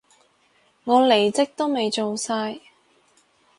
我離職都未做晒